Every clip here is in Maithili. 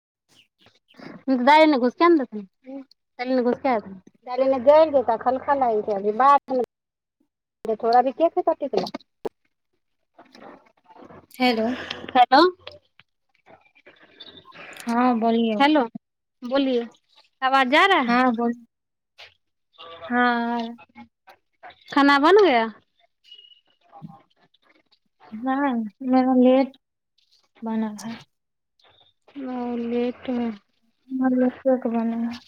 [unintelligible] दाय ने घुसूंड भेल [unintelligible] [unintelligible] हेलो। त हँ बोलिए। हेलो, बोलिये। आबाज जा रहा है। [inaudible] हाँ हाँ खाना बन गया? हां, मेरा लेट बना था। ओ लेट में [unintelligible]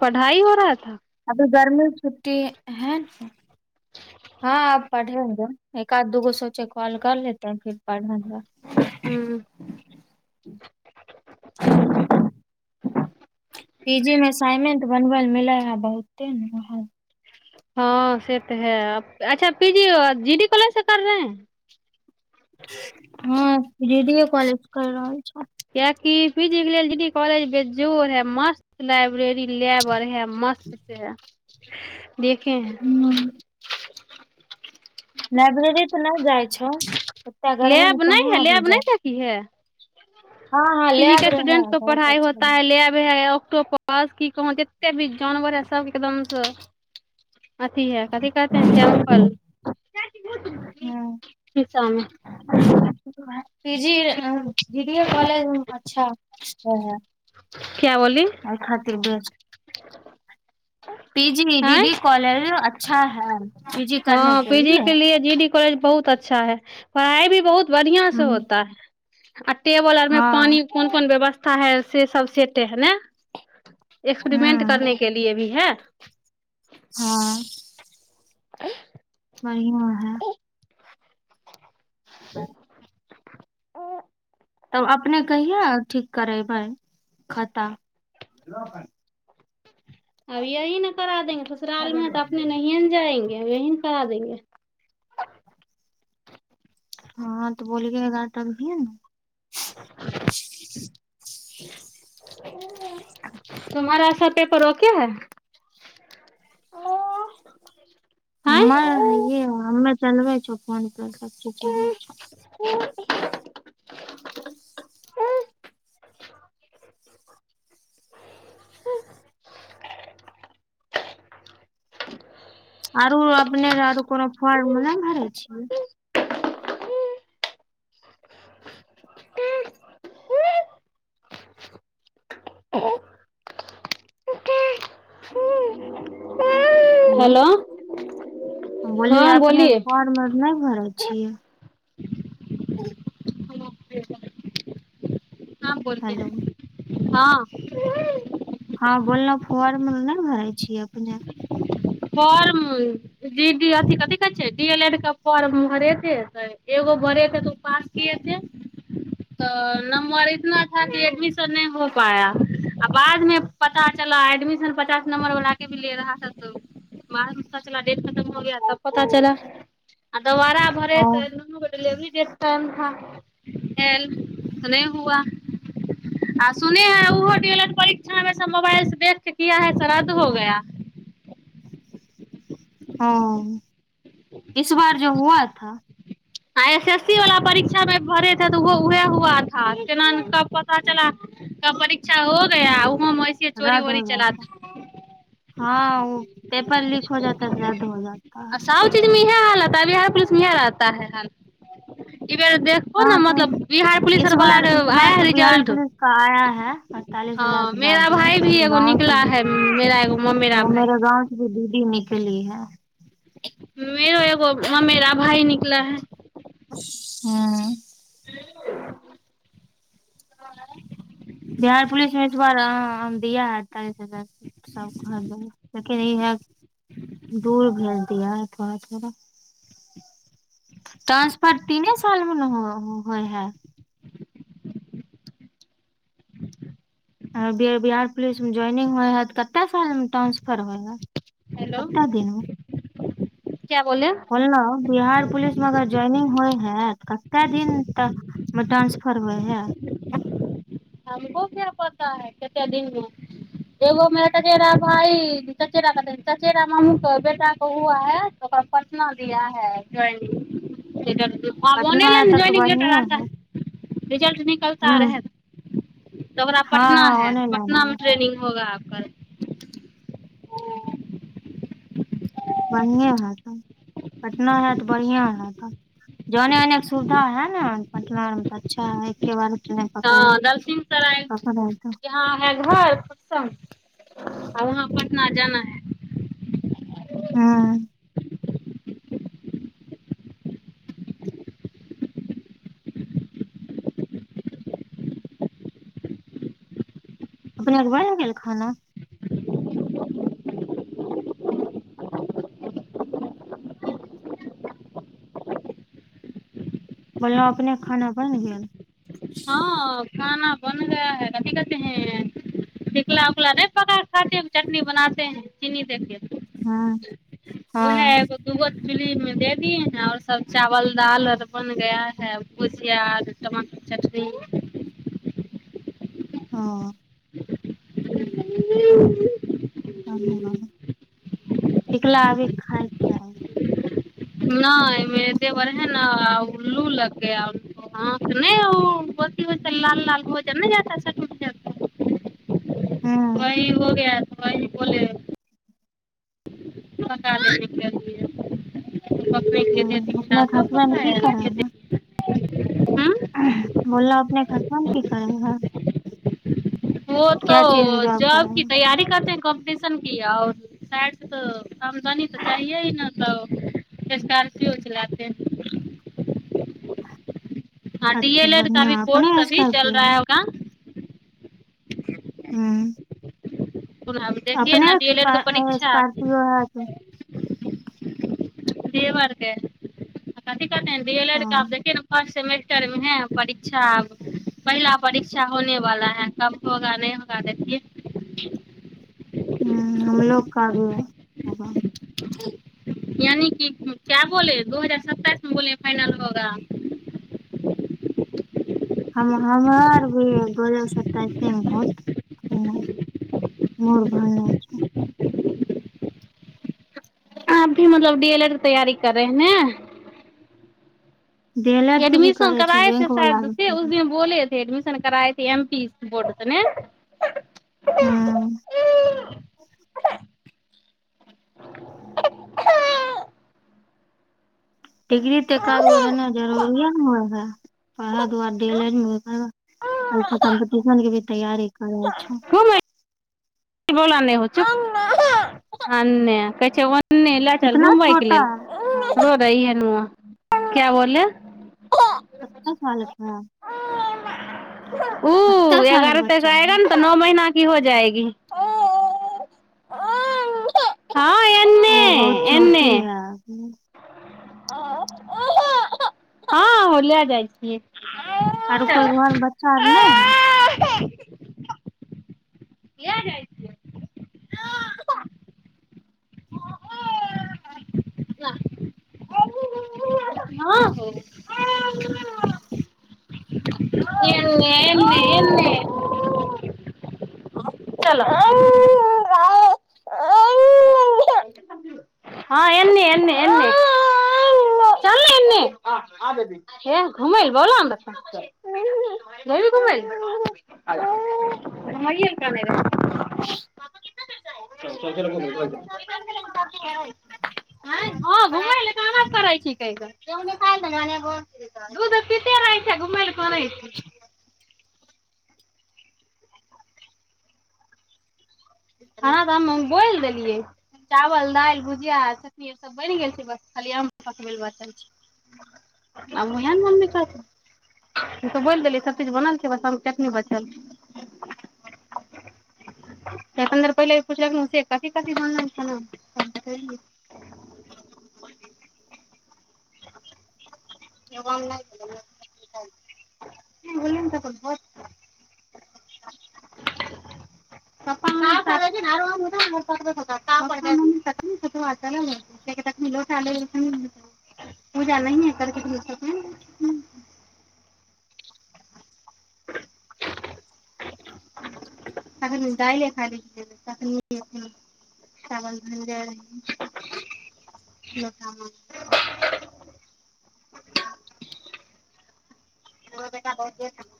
पढ़ाइ हो रहा था। अभी गर्मी छुट्टी है। हँ आ पढ़ेंगे। एक आध दूगो सोचे कॉल कर लेते है फिर पढ़ेंगे। ह्म्म। [inaudible] पीजी में असाइनमेंट बनबल मिले ह बहुते ने। [unintelligible] हँ से तऽ है। अच्छा P G, G D college से कर रहे हैं? हँ, जेे डीये कॉलेज कर रहल छौं। कियाकी पीजी के लेल जे डी कॉलेज बेजोड़ है मस्त लाइब्रेरी, लेब अर हे मस्त से है। देखे हैं। हूँ लाइब्रेरी तऽ नई जाइ छौं। एत्ते गरमी लैब मे नहीं कहाँ है अभी लैब जाय नहीं है। हँ हँ पि जी लैब के स्टूडेंट रहे को बहुत पढ़ाइ अच्छा होता है। लेब है। ओकटोप बस की कहो जेत्ते भी जानवर है सब एकदम स अथी है, कथि कहते है, सेम्पल हँ सीसा में। पी जी अ, जी डीये कॉलेज अच्छा है। क्या बोली? एहि खतिर बे, पी जी, जी आँय डी कॉलेजो अच्छा है। पी जी करने हँ, पी जी के लिए जी डी कॉलेज बहुत अच्छा है। पढ़ाइ भी बहुत बढ़ियां से हँ होता है। आ टेबल आर में हूँ पानी कोन कोन व्यवस्था है, से सब सेटे है न? एक्सपेरिमेंट हँ करने के लिए भी है? हां। [inaudible] बढ़िया। है [inaudible] [inaudible] तब अपने कहिया ठीक करेबै, खाता? अब यही ने करा देेंगे। ससुराल में तऽ अपने नहिये न जाएंगे। यही न करा देेंगे। हँ तऽ बोलिएगा तभीए ने। [inaudible] तुम्हारा सब पेपर ओके है? हमर आँय हैये हो। हमे चलबे छौ, फोन पर सब चीज हेलो चलबे छौ। [inaudible] [unintelligible] आरो अपने आरो कोनो फॉर्म नइ भरै छियै? [inaudible] हेलो। बोललिये अपने फॉर्म नइ भरै छियै? हँ बोलिये हेलो हँ। हँ बोललहुँ फॉर्म नइ भरै छियै अपने? फॉर्म? दीदी अथि कथि कहै छै डी एल एड के फॉर्म भरे थे त एगो भरे थे तऽ ओ पास किये थे। [inaudible] तऽ नम्बर इतना था कि एडमिशन नइ हो पाया। आ बाद मे पता चला एडमिशन पचास नम्बर वला के भी ले रहा था सो बाद में पता चला डेट खतम हो गया तब पता चला आ दोबारा भरे ओ त दुनू गो डिलेवरी डेट टाइम था एल त नै हुआ। आ सुने हैं ओहो डी एल एड परीक्षा मे मोबाइल से देख के किया है से रद्द हो गया। हँ इस बार जो हुआ था। आ एस एस सी वाला परीक्षा मे भरे थ तऽ ओ उहे हुआ था केना ने कब पता चला कब परीक्षा हो गया उहो में ऐसे चोरी रद वोरी होगा चला त था हँ ओ पेपर लीक हो जाता तऽ रद्द हो जाता। हर चीज में इहे हाल होता है बिहार पुलस मे ईहे रहता है हाल, ऐ बेर देख। और हाँ न तो मतलब बिहार पुलिस इस आर बला बार इस बार आया है तो बिहार रिजल्ट पुलिस का आया है। चालीस हजार हाँ से मेरा जादे भाई भी मेरे एगो गाँव से निकला भी है मेरा एगो ममेरा ओ भाई मेरे गाँव जे दीदी मे केली है। मेरो एगो मेरा भाई निकला है। हँ। ह [unintelligible] बिहार पुलिस मे इसबार दिया है अड़तालीस हजार सब कह जा लेकिन इह [unintelligible] दूर भेज दिया है थोड़ा थोड़ा ट्रान्सफर तीने साल मे न होए है। बिहार पुलिसमे जोइनिंग होइ हइ तऽ कतेक सालमे ट्रानंसफर होइ हइ। हेलो क्या बोले? बोललहुँ बिहार पुलिस मे अगर जोइनिंग होइ है कते दिन तक मे ट्रांसफर होए है? हमको क्या पता है कते दिनमे एगो मेरा चचेरा भइ चचेरा कह चचेरा मम्मी बेटा को हुआ है ओकर न दिया है जोइनिंग आबऑने पटना है तब तऽ जोईनिंगेलेटर बढ़िए आता हूँ है रिजल्ट निकलता हँ रहै। तोहरा है पटना हँ है, ओने लाइन पटना में आबऽ ट्रेनिंग होगा आपका। बढ़िएँ है तब, पटना है त बढ़िआँ है। जाने आनेका सुविधा है न पटना मे त अच्छा है, एके बार ट्रेन पकड़ हँ दलसिंह सराय [unintelligible] [unintelligible] पटना जाना है। हुँ। अपनेके बनि गेल खाना। बोललउ अपने क खाना बनि गेल। ह खाना बन गया है कथी कहते है। टिकला उकला नहि पकाक खाते चटनी बनाते हैं चीनी देके। हुँ। उहै एगो दूगो चुली में दे दिए हैं और सब चावल दाल आओर बन गया है। भुजिया आ टमाटर के चटनी। हँ। ह ह हम ह‌ टिकला अभी [inaudible] नय मेरे देबर है न लू लग‌ गया उनको। हँ त नहि लाल लाल भोजन ने जा जा [inaudible] हूँ ह वहि हो गया तो वहि बोले। पका देने के लिए। पप्पे अपने खसबे मे की के [inaudible] हूँ बोल अपने खसबामे की करे है। वो तो चीज मे जॉब की करेगा तैयारी करतेै कॉम्पटिशन की। आओर साड स आमदनी तऽ चाहियए ही ने तब स्कार्पियो चलाते हैं। हँ डी अच्छा एल एड क बढ़िया भी कोर्स अपने अभी चल स्कॉर्पियो है रहा होगा। हूँ। थोड़ा देखियै अपने ने डी एल एड के स्का- परीक्षा। स्कॉर्पियो है तो देबरके। कथी कहते‌ हैं डी एल एड आब ह देखियै ने फर्स्ट सेमेस्टर मे है परीक्षा आब। पहिला परीक्षा होने वाला है कब होगा नहि होगा देखिये। हूँ हमलोग का भी। हबा [inaudible] यानी की क्या बोले दू हजार सत्ताइस में बोले फाइनल होगा। हम- हमरा भी दू हजार सत्ताइसे मे होत फाईनल। मोर भने अछै [inaudible] आप भी मतलब डी एल एड के तैयरी कर रहे हैं? छै डी एल एड के भी एडमिशन करे छै कराए थे बैंक वाला शायद भी से उस करे दिन बोले। से एडमिशन कराए थे एम पी बोर्ड से ने? हम्म डिग्री त एक आधगो रहनाइ जरूरी ने है, ओहे दुआरे डी एल एड [inaudible] कम स कम्पटिशन के भी तैयारी करे छो। [inaudible] कि बोलने हो छो चुप हमे कहय छय वने। उने लए चल इतना घुमबय के छोटा लेल हौ हो रही है नु। क्या बोले? कतेना साल कऽ ह। [unintelligible] उ कते साल के एगारह तक बच्चा है आएगा न तऽ। नौ महीना कि हो जाएगी। हँ ओ एन्ने बहुत छोटी एन्ने है। हँ हो ले जाइ छिये। औरो कोइ घर में बच्चा नय है। लेजाइ छिये। या। माॅं। [unintelligible] एने एने। चल अऽ। हँ एने एने एने। आ अबे दही। हे घुमे ले [unintelligible] न तऽ जैवी घुमेला। घुमाइए ले काने रहे। [unintelligible] आइ हॅं घुमेला [unintelligible] करे छी [unintelligible] जै नय खाई तहने हॅं, दुध पिते रहे छय घुमेला कने छय। खाना तऽ हम बोल देलियै चावल दाइल भुजिया चटनी। से सब बेन गेल छय खाली आम पकबै लाऽ बचल छय। अमुहनीया के मम्मी छतीन। हम त बोल देलियै सब चीज बनल छय, बस चट्नी बचल छय। सतेन्दर पहिल पूछलक न से कथी कथी बनल खाना? [inaudible] [unintelligible] [inaudible] [unintelligible] किएकी तखनी लोटा लगैलखीन पूजा नहिये कैलखीन [unintelligible] तखनी दाइलैटा [unintelligible] चावल बेन गेल लोटा माजते [inaudible] एगो बेटा [unintelligible]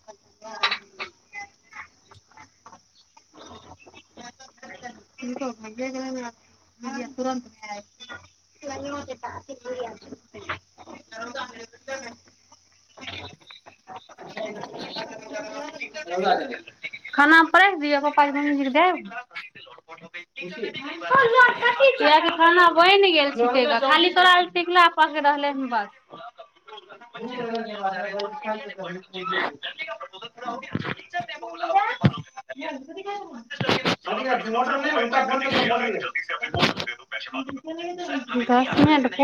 [unintelligible] तुरंत [unintelligible] [unintelligible] [unintelligible] खाना परेस दिय पापा के ममी जी के दे [unintelligible] कियाकी खाना बैन गेल छय खाली तोरा ले टिकला पेक रहले हन बस। [unintelligible] [unintelligible] दस मिनट भे